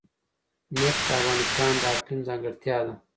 نفت د افغانستان د اقلیم ځانګړتیا ده.